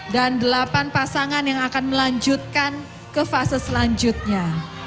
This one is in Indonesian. dan delapan pasangan yang akan melanjutkan ke fase selanjutnya